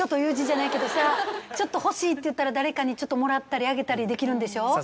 ちょっと欲しいって言ったら誰かにもらったりあげたりできるんでしょ？